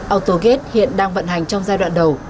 autogate hiện đang vận hành trong giai đoạn đầu